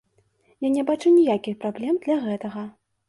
Я не бачу ніякіх праблем для гэтага.